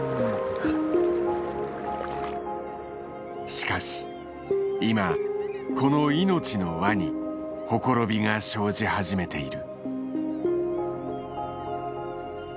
しかし今この命の環にほころびが生じ始めている。